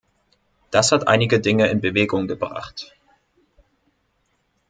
Das hat einige Dinge in Bewegung gebracht.